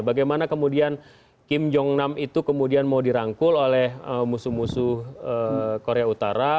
bagaimana kemudian kim jong nam itu kemudian mau dirangkul oleh musuh musuh korea utara